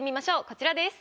こちらです。